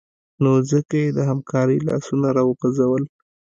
نو ځکه یې د همکارۍ لاسونه راوغځول